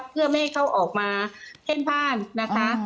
เพื่อไม่ให้เขาออกมาเพ่นพ่านนะคะ